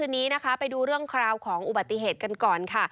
วันนี้นะคะไปดูเรื่องคราวของอุบัติเหตุกันก่อนค่ะ